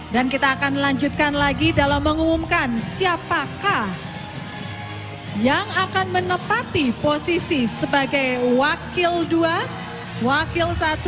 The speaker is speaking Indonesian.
dan kita akan melanjutkan lagi dalam mengumumkan siapakah yang akan menepati posisi sebagai wakil dua wakil satu